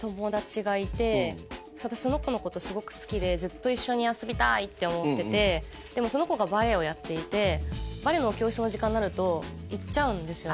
私その子のことすごく好きでずっと一緒に遊びたいって思っててでもその子がバレエをやっていてバレエの教室の時間になると行っちゃうんですよね